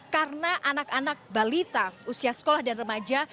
karena anak anak balita usia sekolah dan remaja